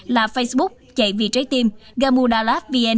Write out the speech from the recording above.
là facebook chạy vì trái tim gamuda lab vn và youtube là gamuda land